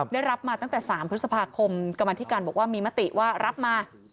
ได้รับมาตั้งแต่๓พฤษภาคมกรรมธิการบอกว่ามีมติว่ารับมา